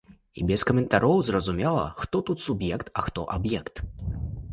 І без каментараў зразумела, хто тут суб'ект, а хто аб'ект.